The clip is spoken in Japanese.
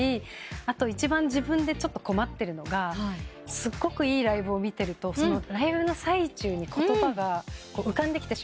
あと一番自分でちょっと困ってるのがすごくいいライブを見てるとライブの最中に言葉が浮かんできてしまって。